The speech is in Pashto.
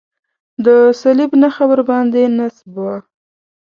د صلیب نښه ورباندې نصب وه.